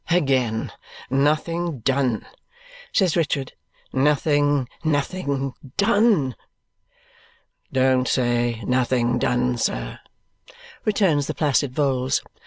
"Again nothing done!" says Richard. "Nothing, nothing done!" "Don't say nothing done, sir," returns the placid Vholes.